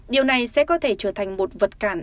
điều này sẽ có thể trở thành một vật cản